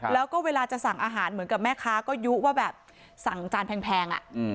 แล้วก็เวลาจะสั่งอาหารเหมือนกับแม่ค้าก็ยุว่าแบบสั่งจานแพง